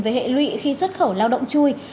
với hệ lụy khi xuất khẩu lao động chui